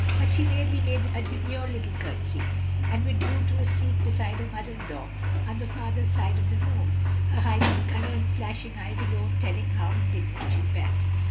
But she merely made a demure little courtesy and withdrew to a seat beside her mother in law on the farther side of the room, her heightened color and flashing eyes alone telling how indignant she felt.